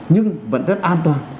nhưng vẫn rất an toàn